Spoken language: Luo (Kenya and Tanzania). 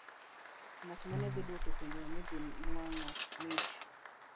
Ng'at ma ne dhi dwoko penjono ne dhi nwang'o mich.